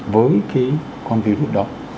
với cái con virus đó